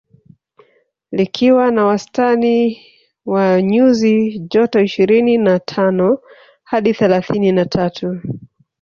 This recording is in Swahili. Likiwa na wastani wa nyuzi joto ishirini na tano hadi thelathini na tatu